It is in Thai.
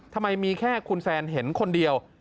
ทำไมมีแค่คุณแซนเห็นคนเดียว